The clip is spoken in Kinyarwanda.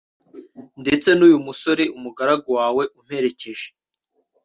ndetse n'uyu musore, umugaragu wawe, umperekeje